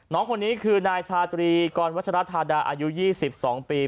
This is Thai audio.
น้องคนนี้คือนายชาตรีกรวัชรธาดาอายุ๒๒ปี